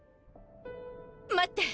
待って！